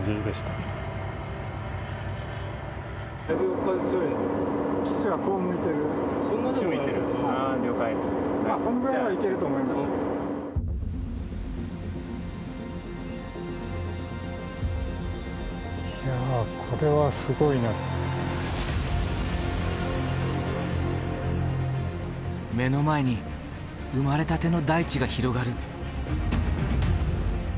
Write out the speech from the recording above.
目の前に生まれたての大地が広がる。